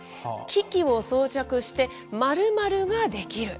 機器を装着して○○ができる。